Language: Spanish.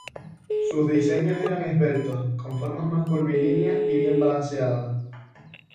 Sus diseños eran esbeltos, con formas mas curvilíneas y bien balanceados.